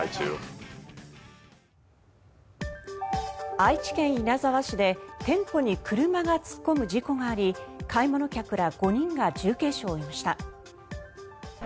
愛知県稲沢市で店舗に車が突っ込む事故があり買い物客ら５人が重軽傷を負いました。